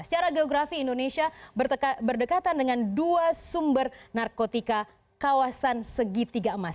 secara geografi indonesia berdekatan dengan dua sumber narkotika kawasan segitiga emas